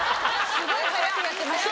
すごい早くやってました。